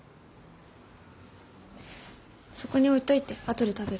そこに置いといて後で食べる。